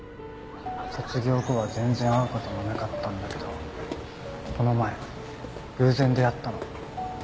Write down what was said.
卒業後は全然会う事もなかったんだけどこの前偶然出会ったの。